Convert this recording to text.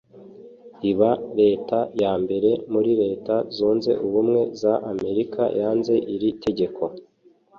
iba Leta ya mbere muri Leta zunze ubumwe za Amerika yanze iri tegeko